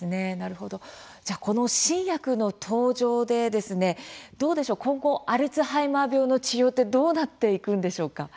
この新薬の登場で今後アルツハイマー病の治療はどうなっていくんでしょうか。